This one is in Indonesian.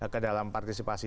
ke dalam partisipasi